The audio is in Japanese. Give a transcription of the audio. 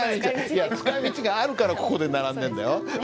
いや使い道があるからここで並んでんだよ。